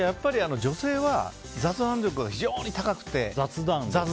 女性は雑談力が非常に高くて。